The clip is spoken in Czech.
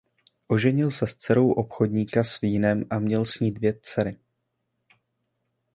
Oženil se s dcerou obchodníka s vínem a měl s ní dvě dcery.